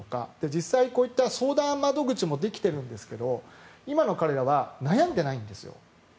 実際こういった相談窓口もできているんですけど今の彼らは悩んでないんですよ。